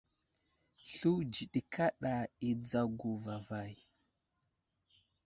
Sluwdji ɗi kaɗa i dzago vavay.